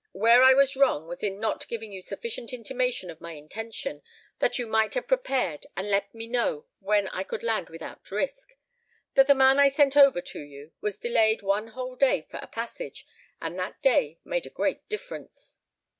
Where I was wrong, was in not giving you sufficient intimation of my intention, that you might have prepared and let me know when I could land without risk; but the man I sent over to you was delayed one whole day for a passage, and that day made a great difference."